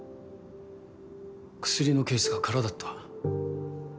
薬のケースが空だった。